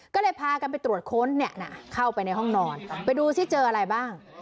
ก็เลยพากันไปตรวจค้นเข้าไปในห้องนอนไปดูซิเจออะไรบ้าง